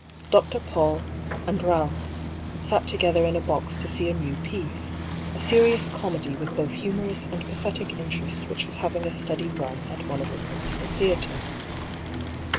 Dr. PauU, and Kalph sat together in a box to see a new piece, a serious comedy with both humorous and pathetic interest which was having a steady " run " at one of the principal theatres.